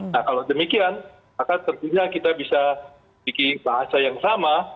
nah kalau demikian maka tentunya kita bisa bikin bahasa yang sama